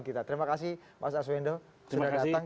kita terima kasih mas arswendo sudah datang